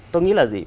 tôi nghĩ là gì